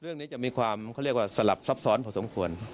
เรื่องนี้จะมีความเขาเรียกว่าสลับซับซ้อนพอสมควร